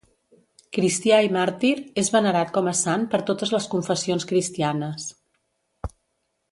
Cristià i màrtir, és venerat com a sant per totes les confessions cristianes.